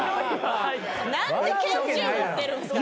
何で拳銃持ってるんですか？